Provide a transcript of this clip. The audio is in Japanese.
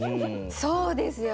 そうですよね。